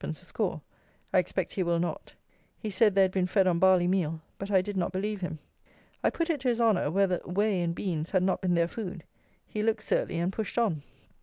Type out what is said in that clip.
_ a score. I expect he will not. He said they had been fed on barley meal; but I did not believe him. I put it to his honour whether whey and beans had not been their food. He looked surly, and pushed on.